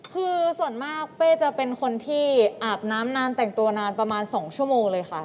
คือส่วนมากเป้จะเป็นคนที่อาบน้ำนานแต่งตัวนานประมาณ๒ชั่วโมงเลยค่ะ